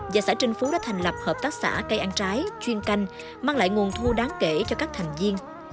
và xã trinh phú đã thành lập hợp tác xã cây ăn trái chuyên canh mang lại nguồn thu đáng kể cho các thành viên